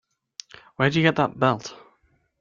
Where'd you get that belt?